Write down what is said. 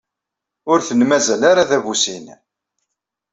Ur ten-mazal ara d abusin.